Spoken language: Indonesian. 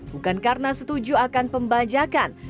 bukan karena setuju akan pembajakan